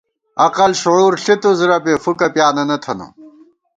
عقل شعور ݪتُوس ربے ، فُوکہ پیانَنہ تھنہ